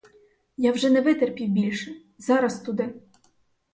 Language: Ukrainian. Я вже не витерпів більше, зараз туди!